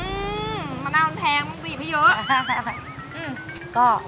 อืมมะนาวมันแพงมึงบีบให้เยอะ